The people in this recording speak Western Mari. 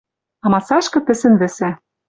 Амасашкы пӹсӹн вӹсӓ